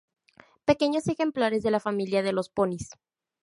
Pequeños ejemplares de la familia de los ponis.